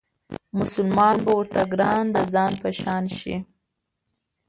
مسلمان به ورته ګران د ځان په شان شي